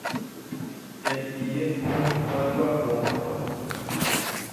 yagiye ku bazwa uwo mutwa